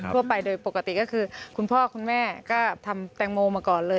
ทั่วไปโดยปกติก็คือคุณพ่อคุณแม่ก็ทำแตงโมมาก่อนเลย